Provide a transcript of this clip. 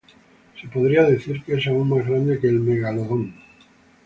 Se podría decir que es aún más grande que el Megalodon.